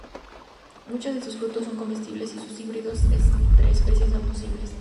Muchos de sus frutos son comestibles y los híbridos entre especies son posibles.